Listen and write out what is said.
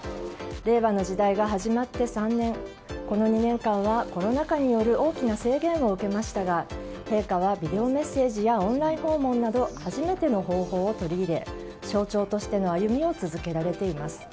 令和の時代が始まって３年この２年間は、コロナ禍による大きな制限を受けましたが陛下はビデオメッセージやオンライン訪問など初めての方法を取り入れ象徴としての歩みを続けられています。